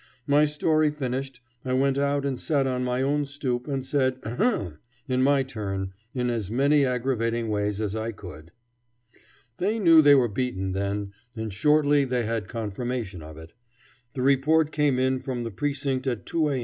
My story finished, I went out and sat on my own stoop and said ahem! in my turn in as many aggravating ways as I could. They knew they were beaten then, and shortly they had confirmation of it. The report came in from the precinct at 2 A.